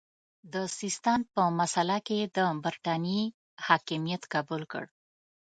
د سیستان په مسئله کې یې د برټانیې حکمیت قبول کړ.